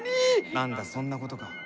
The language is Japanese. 何だそんなことか。